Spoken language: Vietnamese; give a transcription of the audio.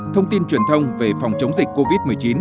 thông tin truyền thông về phòng chống dịch covid một mươi chín